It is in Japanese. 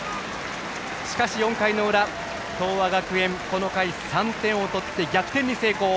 しかし４回の裏、東亜学園この回３点を取って逆転に成功。